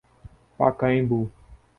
Pacaembu